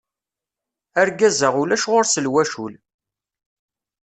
Argaz-a ulac ɣur-s lwacul.